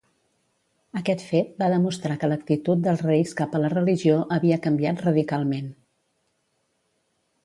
Aquest fet va demostrar que l'actitud dels reis cap a la religió havia canviat radicalment.